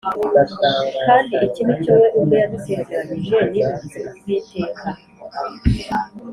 Kandi iki ni cyo we ubwe yadusezeranyije ni ubuzima bw iteka